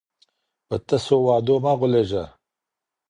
په تسو وعدو مه غولیږه.